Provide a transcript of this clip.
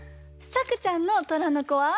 さくちゃんの「虎の子」は？